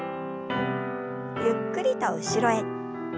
ゆっくりと後ろへ。